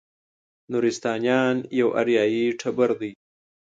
نورستانیان یو اریایي ټبر دی.